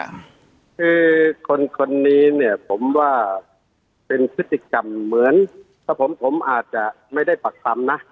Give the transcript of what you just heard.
คือคนคนนี้เนี่ยผมว่าเป็นพฤติกรรมเหมือนถ้าผมผมอาจจะไม่ได้ปักคำนะ